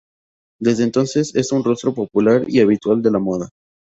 Desde entonces es un rostro popular y habitual de la moda.